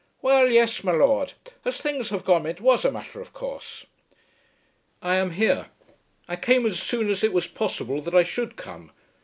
"Well, yes, my Lord. As things have gone it was a matter of course." "I am here. I came as soon as it was possible that I should come.